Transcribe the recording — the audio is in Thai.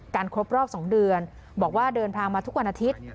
ครบรอบ๒เดือนบอกว่าเดินทางมาทุกวันอาทิตย์